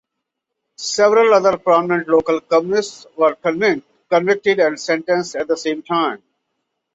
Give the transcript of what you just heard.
Several other prominent local communists were convicted and sentenced at the same time.